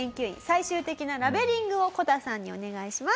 最終的なラベリングをこたさんにお願いします。